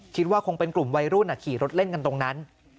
คิดว่าคงเป็นกลุ่มวัยรุ่นขี่รถเล่นกันตรงนั้น